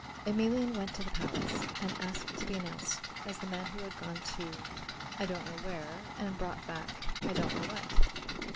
Emelian went to the palace and asked to be announced as the man who had gone to I don't know where and brought back I don't know what.